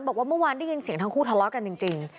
บอกว่าเมื่อวานได้ยินเสียงทั้งคู่ทะเลาะกันจริง